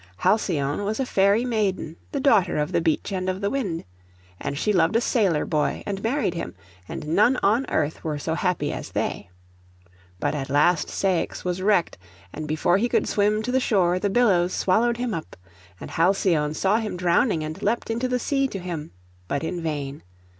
Halcyone was a fairy maiden, the daughter of the beach and of the wind. And she loved a sailor boy, and married him; and none on earth were so happy as they. But at last Ceyx was wrecked; and before he could swim to the shore the billows swallowed him up. And Halcyone saw him drowning, and leapt into the sea to him; but in vain.